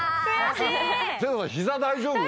膝大丈夫？